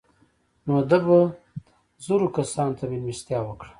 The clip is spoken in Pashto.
نو ده به زرو کسانو ته مېلمستیا وکړه.